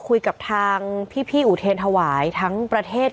ก็เป็นสถานที่ตั้งมาเพลงกุศลศพให้กับน้องหยอดนะคะ